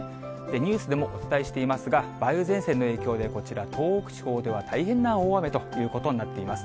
ニュースでもお伝えしていますが、梅雨前線の影響で、こちら、東北地方では大変な大雨ということになっています。